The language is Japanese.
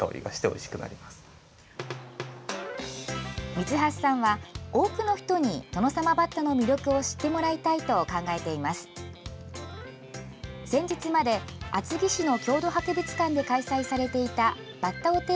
三橋さんは、多くの人にトノサマバッタの魅力を知ってもらいたいと考えています。